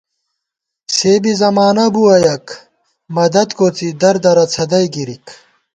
سےبی زمانہ بُوَہ یَک ، مدد کوڅی در دَرہ څھدَئی گِرِک